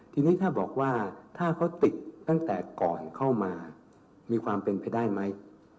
ทีนี้ถ้าบอกว่าถ้าเขาติดตั้งแต่ก่อนเข้ามามีความเป็นไปได้ไหม